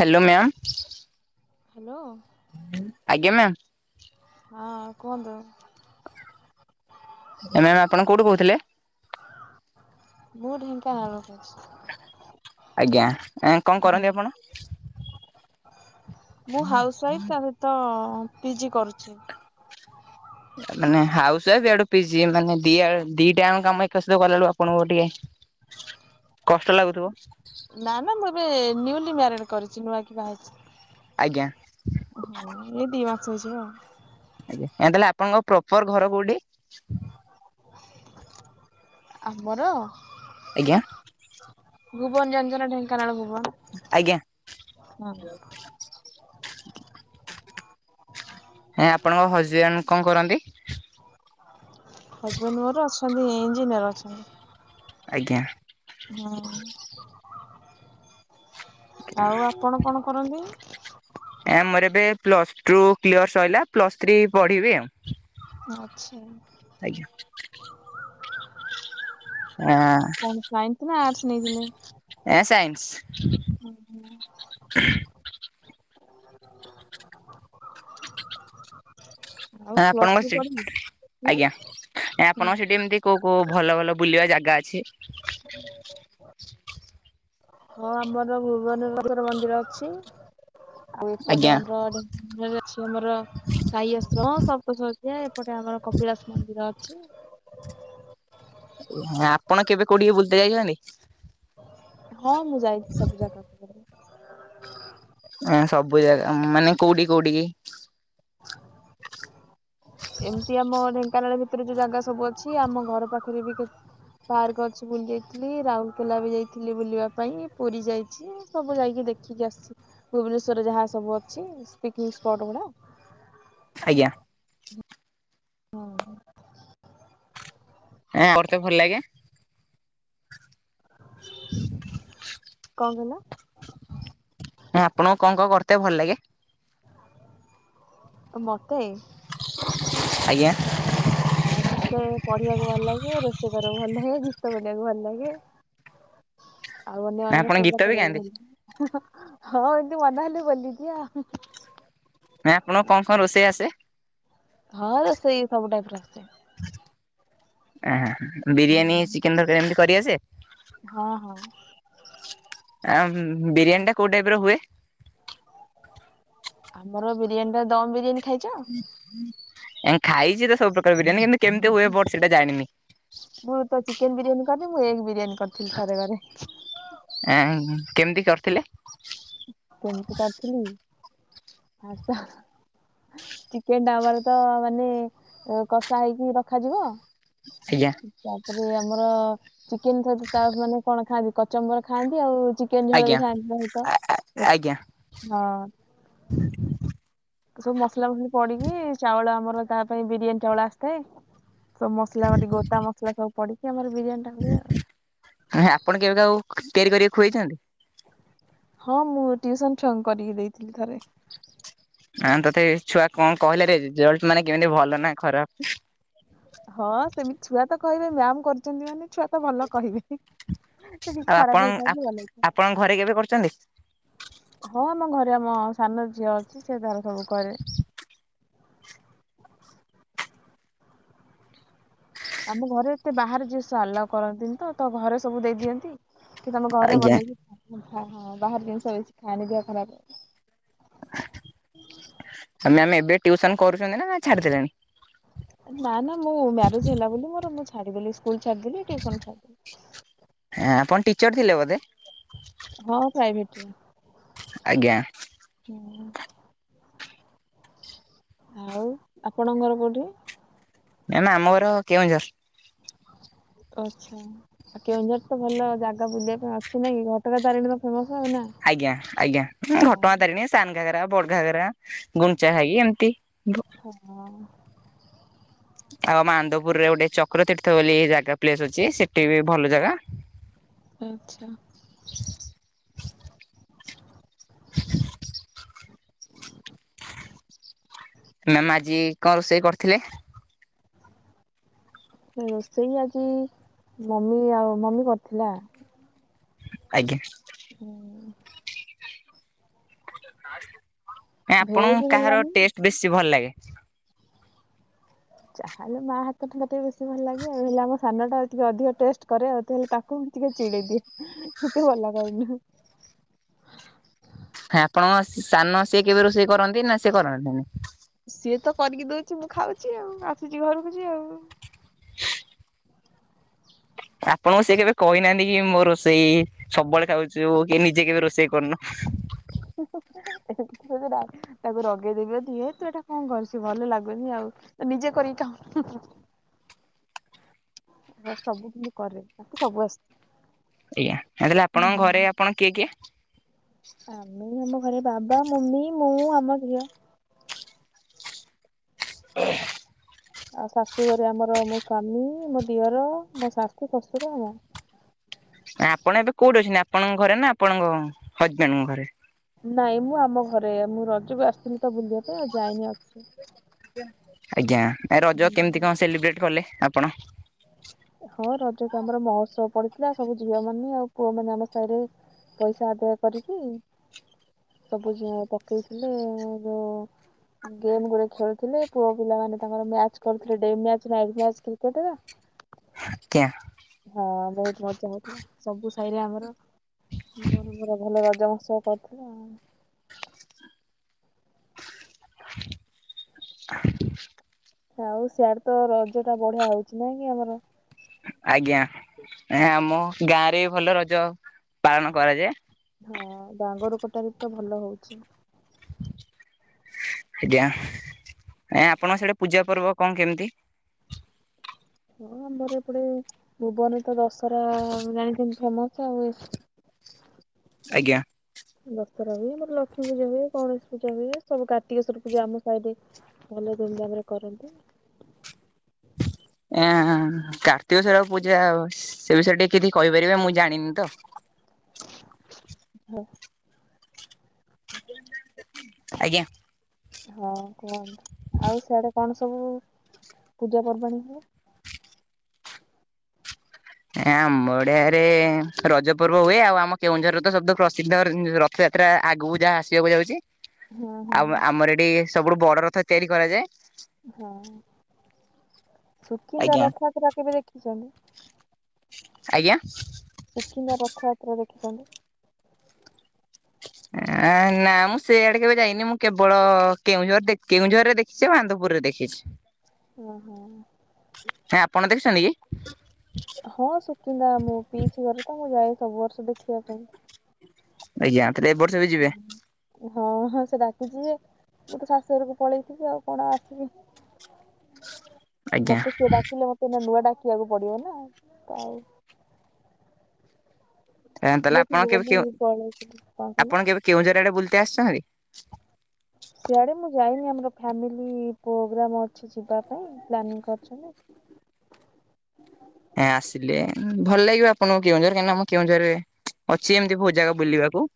Hello ma'am hello. ଆଜ୍ଞା ma'am. ହଁ କୁହନ୍ତୁ। ମ୍ୟାମ୍ ଆପଣ କୋଉଠୁ କହୁଥିଲେ? ମୁଁ ଢେଙ୍କାନାଳ ରୁ କହୁଛି। ଆଜ୍ଞା ଏ କଣ କରନ୍ତି ଆପଣ? ମୁଁ ହାଉସ୍ ୱାଇଫ୍ ତା ସହିତ ପିଜି କରୁଛି। ମାନେ ହାଉସ୍ ୱାଇଫ୍ ଆଡୁ ପିଜି ମାନେ ଦିଆଡ଼ୁ ଦିଟାଆଙ୍କ କାମ ଏକା ସହିତ କଲାଳୁ ଆପଣଙ୍କୁ ଟିକେ କଷ୍ଟ ଲାଗୁଥିବ? ନା ନା ମୁଁ ଏବେ ନ୍ୟୁଲି ମ୍ୟାରେଡ୍ କରିଛି ନୂଆ କି ବାହା ହେଇଛି। ଆଜ୍ଞା। ହଁ ଏଇ ଦି ମାସ ହେଇଯିବ ଆଉ। ଆଉ ତାହେଲେ ଆପଣଙ୍କ ପ୍ରପର ଘର କୋଉଠି? ଆମର? ଆଜ୍ଞା। ଭୁବନ୍ ଜାଣିଛ ନା ଢେଙ୍କାନାଳ ଭୁବନ୍? ଆଜ୍ଞା। ଆଞ୍ଜା ଆପଣଙ୍କ ହଜବେଣ୍ଡ୍ କଣ କରନ୍ତି? ହଜବେଣ୍ଡ୍ ମୋର ଅଛନ୍ତି ଇଞ୍ଜିନିୟର ଅଛନ୍ତି। ଆଜ୍ଞା। ହଁ। ଆଜ୍ଞା ଆଉ ଆପଣ କଣ କରନ୍ତି? ଆ ମୋର ଏବେ ପ୍ଲସଟୁ କ୍ଲିୟର ସଇଲା ପ୍ଲସ୍ ଥ୍ରୀ ପଢିବି ଆଉ। ଆଛା। ଆଜ୍ଞା। ଇଆଁ। କଣ ସାଇନ୍ସ୍ ନା ଆର୍ଟସ୍ ନେଇଥିଲେ? ଏ ସାଇନ୍ସ। ହ [inaudible] ହଁ ଆପଣଙ୍କ ସେଠି ଆଜ୍ଞା ଆପଣଙ୍କ ସେଠି ଏମିତି କୋଉ କୋଉ ଭଲ ଭଲ ବୁଲିବା ଜାଗା ଅଛି? ଓ [unintelligible] ହଁ ଆମର ଭୁବନେଶ୍ଵର ଲକ୍ଷ୍ମୀ ମନ୍ଦିର ଅଛି ଆଉ ଆଜ୍ଞା ଏପଟେ ଆମର ଘରେ ଅଛି ଆମର ସାଇଆଶ୍ରମ ସପ୍ତସଜ୍ୟା ଏପଟେ ଆମର କପିଳାସ ମନ୍ଦିର ଅଛି। ଆପଣ କେବେ କୋଉଠଠିକି ବୁଲିତେ ଯାଇଚନ୍ତି? ହଁ ମୁଁ ଯାଇଚି ସବୁ ଜାଗାକୁ। [inaudible] ଉଁ ସବୁ ଜାଗା ମାନେ କୋଉଠି କୋଉଠିକି? ଏମିତି ଆମ ଢେଙ୍କାନାଳ ଭିତରେ ଯୋଉ ଜାଗା ସବୁ ଅଛି ଆମ ଘର ପାଖରେ ବି କେ ପାର୍କ ଅଛି ବୁଲି ଯାଇଥିଲି। ରାଉରକେଲା ବି ଯାଇଥିଲି ବୁଲିବା ପାଇଁ ପୁରୀ ଯାଇଚି। ସବୁ ଯାଇକି ଦେଖିକି ଆସିଚି ଭୁବନେଶ୍ୱରରେ ଯାହା ସବୁ ଅଛି ପିକ୍ନିକ୍ ସ୍ପଟ୍ ଗୁଡ଼ା। ଆଜ୍ଞା। ହଁ। ଏଁ ଆପରତ ଭଲ ଲାଗେ। [inaudible] କଣ କହିଲ ହଁ ଆପଣଙ୍କୁ କଣ କଣ କରିତେ ଭଲ ଲାଗେ? ଅ ମତେ? ଆଜ୍ଞା। ହଁ ମତେ ପଢିବାକୁ ଭଲଲାଗେ, ରୋଷେଇ କରିବାକୁ ଭଲଲାଗେ, ଗୀତ ବୋଲିବାକୁ ଭଲଲାଗେ। ଆଉ ନା ଅନ୍ୟମାନଙ୍କ ଆପଣ ଗୀତ ସେବା ବି ଗାଆନ୍ତି? କରିବାକୁ ଭଲ୍ ହଁ ଏମିତି ମନ ହେଲେ ବୋଲିଦିଏ ଆଉ। ନାଇଁ ଆପଣଙ୍କୁ କଁ କଣ ରୋଷେଇ ଆସେ? ହଁ ରୋଷେଇ ସବୁ ଟାଇପ୍ ର ଆସେ। ଆଁ ବିରିୟାନୀ ହୁଁ ଚିକେନ ତରକାରୀ ଏମିତି କରିଆସେ? ହଁ ହଁ। ଆମ ବିରିୟାନୀ ଟା କୋଉ ଟାଇପ୍ ର ହୁଏ? ଆମର ବିରିୟାନୀ ଟା ଦମ୍ ବିରିୟାନୀ ଖାଇଚ? ଏଁ ଖାଇଚିତ ସବୁ ପ୍ରକାର ବିରିୟାନୀ କିନ୍ତୁ କେମିତି ହୁଏ ବଟ ସେଇଟା ଜାଣିନି। ମୁଁ ତ ଚିକେନ ବିରିୟାନୀ କରିନି ମୁଁ ଏଗ ବିରିୟାନୀ କରିଥିଲି ଥରେ ଘରେ। ଏଁ କେମିତି କରିଥିଲେ? କେମିତି କରିଥିଲି? ଫାଷ୍ଟ ତ ଚିକେନ ଟା ଆମର ତ ମାନେ କଷା ହେଇକି ରଖାଯିବ। ଆଜ୍ଞା। ତାପରେ ଆମର ଚିକେନ ସହିତ ତା ମାନେ କଣ ଖାଆନ୍ତି କଚମ୍ବର ଖାଆନ୍ତି ଆଉ ଚି କେନ୍ ଝୋଳ ଆଜ୍ଞା ବି ଖାଆନ୍ତି ତା ସହିତ ହଁ। ଆଜ୍ଞା ତ ସବୁ ମସଲା ମସଲି ପଡିକି ଚାଉଳ ଆମର ତା ପାଇଁ ବିରିୟାନୀ ଚାଉଳ ଆସିଥାଏ। ସବୁ ମସଲା [inaudible] ଗୋଟା ମସଲା ସବୁ ପଡିକି ଆମର ବିରିୟାନୀ ଟା ହୁଏ ଆଉ। ନାହିଁ ଆପଣ କେବେ କାହାକୁ ତିଆରି କରିବାକୁ ଖୁଏଇଚନ୍ତି? ହଁ ମୁଁ ଟିଉସନ ଛୁଆଙ୍କୁ କରିକି ଦେଇଥିଲି ଥରେ। ହଁ ତଥାପି ଛୁଆ କଣ କହିଲେ ରେ-ରେଜଲ୍ଟ ମାନେ କେମିତି ଭଲ ନା ଖରାପ? ହଁ ସେମିତି ଛୁଆ ତ କହିବେ ମ୍ୟାାମ୍ କରିଚନ୍ତି ମାନେ ଛୁଆ ତ ଭଲ କହିବେ, ତେଣିକି ଆଉ ଆପଣ ଖରାପ୍ ହେଇଥାଉ କି ଭଲ ହେଇଥାଉ। ଆପଣଙ୍କ ଘରେ କେବେ କରିଛନ୍ତି? ହଁ ଆମ ଘରେ ଆମ ସାନ ଝିଅ ଅଛି ସେ ତାର ସବୁ କରେ। ଆମ ଘରେ ଏତେ ବାହାରେ ଯିନିଷ ଆଲାଉ କରନ୍ତିନି ତ ଘରେ ସବୁ ଦେଇଦିଅନ୍ତି। କି ତମେ ଘରେ ଆଜ୍ଞା ବନେଇକି ହଁ ଖା ହଁ ବାହାର ଜିନିଷ ବେଶି ଖାଆନି ଦେହ ଖରାପ ହବ। ଆ ମ୍ୟାମ୍ ଏବେ ଟିଉସନ କରୁଚନ୍ତି ନା ଛାଡିଦେଲେଣି? ନା ନା ମୁଁ ମ୍ୟାରେଜ୍ ହେଲା ବୋଲି ମୋର ମୁଁ ଛାଡିଦେଲି ସ୍କୁଲ୍ ଛାଡିଦେଲି ଟିଉସନ ଛାଡିଦେଲି ଏଁ ଆପଣ ଟିଚର ଥିଲେ ବୋଧେ ହଁ ପ୍ରାଇଭେଟ୍ରରେ ଆଜ୍ଞା ହୁଁ ଆଉ ଆପଣଙ୍କ ଘର କୋଉଠି ଆମ ଘର କେଉଁଝର ଆଚ୍ଛା କେଉଁଝର ତ ଭଲ ଜାଗା ବୁଲିବା ପାଇଁ ଆସିନାକି ଘଟଗାଁ ତାରିଣୀ ମୁଁ ସାନାନା ଆଜ୍ଞା ଆଜ୍ଞା ଘଟଗାଁ ତାରିଣୀ ସାନ ଘାଗରା ବଡ଼ ଘାଗରା ଗୁଣ୍ଡିଛା ଘାଇ ଏମିତି ହଁ ଆଉ ମାନ୍ଦୁପୁରରେ ଗୋଟେ ଚକ୍ର ତୀର୍ଥ ବୋଲି ଜାଗା ପ୍ଲେସ୍ ଅଛି ସେଠି ବି ଭଲ ଜାଗା ହଁ ଆଚ୍ଛା ଛୁ ଛୁ [inaudible] ମାମା ଆଜି କଣ ରୋଷେଇ କରିଥିଲେ ରୋଷେଇ ଆଜି ମମି ଆଉ ମମି କରିଥିଲା ଆଜ୍ଞା ହୁଁ ଭେଜ ଆପଣଙ୍କୁ କାହାର ହେଲାନି ଟେଷ୍ଟ ବେଶୀ ଭଲ ଲାଗେ ଯାହା ହେଲେ ମା ହାତ ରନ୍ଧା ଟିକେ ବେଶୀ ଭଲ ଲାଗେ ଆଉ ହେଲେ ଆମ ସାନ ଟା ଟିକେ ଅଧିକ ଟେଷ୍ଟେ କରେ ଆଉ ହେଲେ ତାକୁ ମୁଁ ଟିକେ ଚିଡ଼ିେଇ ଦିଏ ତୁ ଭଲ କରିନୁ ଆପଣଙ୍କ ସାନ ସେ କେବେ ରୋଷେଇ କରନ୍ତି ନା ସେ କରନ୍ତିନି ସିଏ ତ କରିକି ଦେଉଛି ମୁଁ ଖାଉଛି ଆଉ ଆସୁଛି ଘଡୁକୁଛି ଆଉ ଆପଣଙ୍କୁ ସେ କେବେ କହିନାହାନ୍ତି କି ମୋ ରୋଷେଇ ସବୁବେଳେ ଖାଉଛୁ କି ନିଜେ କେବେ ରୋଷେଇ କରୁନୁ ହୁହୁ ଏ ତାକୁ ରଗେଇଦେବି ଟିକେ ତୁ ଏଇଟା କଣ କରିଛୁ ଭଲ ଲାଗୁନି ଆଉ ନିଜେ କରିକି ଖାଉନୁ ଛୁ ସବୁଦିନ କରେ ତାକୁ ସବୁ ଆସେ ଆଜ୍ଞା ଆପଣଙ୍କ ଘରେ ଆପଣ କିଏ କିଏ ଏଇ ଆମ ଘରେ ବାବା ମମି ମୁଁ ଆମ ଝିଅ ଓ ଆଉ ଶାଶୁଘରେ ଆମର ମୋ ସ୍ଵାମୀ ମୋ ଦିଅର ମୋ ଶାଶୁ ଶଶୁର ଆଉ ଆପଣ ଏବେ କୋଉଠି ଅଛନ୍ତି ଆପଣଙ୍କ ଘରେ ନା ଆପଣଙ୍କ ହଜବେଣ୍ଡଙ୍କ ଘରେ ନାଇଁ ମୁଁ ଆମ ଘରେ ମୁଁ ରଜକୁ ଆସିଥିଲି ତ ବୁଲିବା ପାଇଁ ଆଉ ଯାଇନି ଅଛି ଆଜ୍ଞା ରଜ ହୁଁ। କେମତି କଣ ସେଲିବ୍ରେଟ୍ କଲେ ଆପଣ ହଁ ରଜ ତ ଆମର ମହୋତ୍ସବ ପଡ଼ିଥିଲା ସବୁ ଝିଅ ମାନେ ଆଉ ପୁଅ ମାନେ ଆମ ସାହିରେ ପଇସା ଆଦାୟ କରିକି ସବୁ ପକେଇଥିଲେ ଯୋଉ ଗେମ୍ ଗୁଡେ ଖେଳୁଥିଲେ ପୁଅ ପିଲା ମାନେ ତାଙ୍କର ମ୍ୟାଚ୍ କରୁଥିଲେ ଡେମ୍ୟାଚ୍ ନାଇଟି ମ୍ୟାଚ୍ କ୍ରିକେଟ୍ ରେ ଆଜ୍ଞା ହଁ ବହୁତ ମଜା ହଉଥିଲା ସବୁ ସାହିରେ ଆମର ଭଲ ରଜ ମହେତ୍ସବ ପତ୍ର [unintelligible] ଆଉ ସିଆଡେ ତ ରଜ ଟା ବଢିଆ ହଉଛି ନାଇଁ କି ଆମର। ଆଜ୍ଞା ଆମ ଗାଁ ରେ ଭଲ ରଜ ପାଳନ କରାଯାଏ। ହଁ ବାଙ୍ଗର କୋଟାରେ ତ ଭଲ ହଉଛି। ଆଠା ଏ ଆପଣଙ୍କ ସେଇଟା ପୂଜା ପର୍ବ କଣ କେମିତି? ହଁ ଆବର ଏ ପଡେ ଭୁବନରେ ତ ଦଶହରା ଜାଣିଛନ୍ତି ଫେମସ୍ ଆଉ। ଆଜ୍ଞା। ଦଶରା ହୁଏ ମୋର ଲକ୍ଷ୍ମୀ ପୂଜା ହୁଏ ଗଣେଶ ପୂଜା ହୁଏ ସବୁ କାର୍ତିକେଶ୍ଵର ପୂଜା ଆମ ସାହି ରେ। ଭଲ ଧୁମଧାମରେ କରନ୍ତୁ। ଏ କାର୍ତ୍ତିକ ସ୍ଵର ପୂଜା ସେ ବିଷୟରେ ଟିକେ କିଛି କହିପାରିବେ ମୁଁ ଜାଣିନି ତ। ହଁ। ଆଜ୍ଞା। ହଁ କୁହନ୍ତୁ ଆଉ ସେଆଡେ କଣ ସବୁ ପୂଜା ପର୍ବାଣୀ ହୁଏ। ଆମଡିଆରେ ରଜ ପର୍ବ ହୁଏ ଆଉ ଆମ କେଉଁଝର ତ ଶବଦ ପ୍ରସିଦ୍ଧ ର ସେ ସେଥିଟା ଆଗକୁ ଯାହା ଆସିବାକୁ ଯାଉଚି। ହଁ ହଁ ଆମ ଆମର ଏଠି ସବୁଠୁ ବଡ ରଥ ତିଆରି କରାଯାଏ। ହଁ ସୁକିନ୍ଦା ଆଜ୍ଞା ରଥଯାତ୍ରା କେବେ ଦେଖିଚନ୍ତି? ଆଜ୍ଞା। ସୁକିନ୍ଦା ରଥଯାତ୍ରା ଦେଖିଚନ୍ତି? ହଁ ଆ ନାଁ ମୁଁ ସେଆଡ଼େ କେବେ ଯାଇନି ମୁଁ କେବଳ କେଉଁଝର କେଉଁଝରରେ ଦେଖିଚି ଆନ୍ଦପୁରରେ ଦେଖିଛି। ହ ଅ ହଁ। କାଇଁ ଆପଣ ଦେଖିଚନ୍ତି କି? ହଁ ସୁକିନ୍ଦା ମୋ ପିଇସୀ ଘର ତ ମୁଁ ଯାଏ ସବୁ ବର୍ଷ ଦେଖିବା ପାଇଁ। ଆଜ୍ଞା ରାତିରେ ଏ ବର୍ଷ ବି ଯିବେ। ହଁ ହଁ ସେ ଡାକିଚି ଯେ ମୁଁ ତ ଶାଶୁଘରକୁ ପଳେଇଥିବି ଆଉ କଣ ଆଉ ଆସିବି। ହ ମତେ ସିଏ ଡାକିଲେ ମତେ ନୂଆ ଡାକିବାକୁ ପଡିବ ନାଁ ତ ଆଉ ତାହେଲେ ଝିଅ ଆପଣ ଥିଲି କେବେ ବୋଲି କେଉଁ ପଳେଇଥିଲି କଣ କହିଲ? ଆପଣ କେବେ କେଉଁଝର ଆଡେ ବୁଲିତେ ଆସିଚନ୍ତି? ସିଆଡ଼େ ମୁଁ ଯାଇନି ଆମର ଫ୍ୟାମିଲି ପ୍ରୋଗ୍ରାମ ଅଛି ଯିବା ପାଇଁ ପ୍ଲାନିଂ କରିଚନ୍ତି। ଏଁ ଆସିଲେ ଭଲ ଲାଗିବ ଆପଣଙ୍କୁ କେଉଁଝର କାହିଁକ ନାଁ ଆମ କେଁଝରରେ ଅଛି ଏମିତି ବୋହୁତ୍ ଜାଗା ବୁଲିବାକୁ।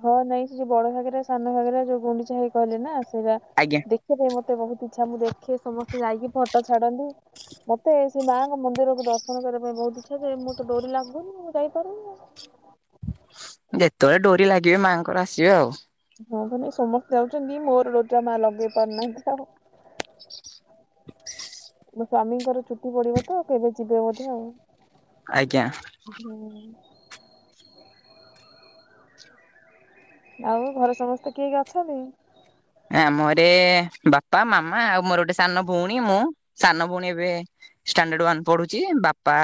ହଁ ନାଇଁ ସେ ବଡ ଭାଗରେ ସାନ ଭାଗରେ ଯୋଉ ଗୁଣ୍ଡିଚା ହୋଇ କହିଲ ନାଁ ସେଇରା ଆଜ୍ଞା। ଦେଖିବା ପାଇଁ ମତେ ବହୁତ୍ ଇଚ୍ଛା ମୁଁ ଦେଖେ ସମସ୍ତେ ଯାଇକି ଫଟୋ ଛାଡ଼ନ୍ତି। ମତେ ସେଇ ମାଆଙ୍କ ମନ୍ଦିରକୁ ଦର୍ଶନ କରିବା ପାଇଁ ବହୁତ୍ ଇଚ୍ଛା ଯେ ମୁଁ ତ ଡୋରି ଲାଗୁନି ମୁଁ ଯାଇପାରୁନି। ଯେତେବେଳେ ଡୋରି ଲାଗିବେ ମାଆଙ୍କର ଆସିବେ ଆଉ। ହଁ ପରା ସମସ୍ତେ ଯାଉଚନ୍ତି ମୋର ଡୋରି ଟା ମା ଲଗେଇ ପାରୁନାହାନ୍ତି ଆଉ। ମୋ ସ୍ଵାମୀଙ୍କର ଚୁଟି ପଡିବ ତ କେବେ ଯିବେ ବୋଧେ ଆଉ। ଆଜ୍ଞା। ହୁଁ। ଆଉ ଘରେ ସମସ୍ତେ କିଏ କିଏ ଅଛନ୍ତି? ଆଁ ମୋରେ ବାପା ମାମା ଆଉ ମୋର ଗୋଟେ ସାନ ଭଉଣୀ ମୁଁ ସାନ ଭଉଣୀ ଏବେ ଷ୍ଟାଣ୍ଡାଡ ୱନ୍ ପଢୁଚି ବାପା।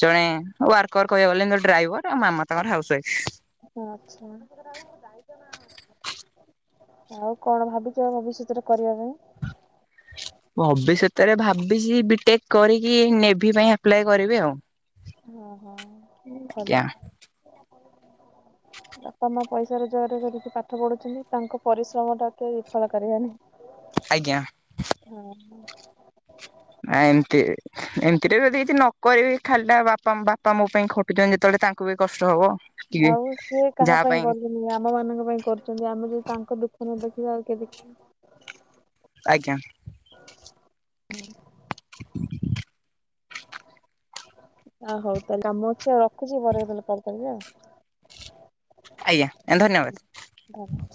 ଜଣେ ୱାର୍କର କହିବାକୁ ଗଲେ ତ ଡ୍ରାଇଭର ଆଉ ମାମା ତାଙ୍କର ହାଉସ ୱାଇଫ। ଆଛା [inaudible] ଆଉ କଣ ଭାବିଚ ଭବିଷ୍ୟତରେ କରିବା ପାଇଁ? ଭବିଷ୍ୟତରେ ଭାବିଚି ବିଟେକ୍ କରିକି ନେଭି ପାଇଁ ଆପ୍ଲାଏ କରିବି ଆଉ। ଅହ ହୁଁ ଆଜ୍ଞା ଭଲ। ବାପା ମା ପଇସା ରୋଜଗାର କରିକି ପାଠ ପଢ଼ୁଛନ୍ତି ତାଙ୍କ ପରିଶ୍ରମ ଟା କେ ବିଫଳ କରିବାନି। ଆଜ୍ଞା। ଅହଁ। ନା ଏମିତି ଏମିତିରେ ଯଦି କିଛି ନ କରିବି ଖାଲି ଟା ବାପା ବାପା ମୋ ପାଇଁ ଖ ଟୁ ଚନ୍ତି ଯେତେବେଳେ ତାଙ୍କୁ ବି କଷ୍ଟ ହବ। ଟିକେ ଆଉ ସିଏ କାହା ପାଇଁ ଗଲେ? ଆମ ମାନଙ୍କ ପାଇଁ କରୁଚନ୍ତି ଆମେ ଯଦି ତାଙ୍କ ଦୁଃଖ ନ ଦେଖିବା ଆଉ କେ ଦେଖିବ। ଆଜ୍ଞା। ଆ ହଉ ତାହେଲେ କାମ ଅଛି ଆଉ ରଖୁଛି। ପରେ କେତେବେଳେ କଲ୍ କରିବି ଆଉ। ଆଜ୍ଞା ଧନ୍ୟବାଦ। ଧନ୍ୟ [inaudible]